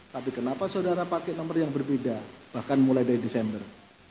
tapi kenapa saudara pakai nomor yang berbeda bahkan mulai dari desember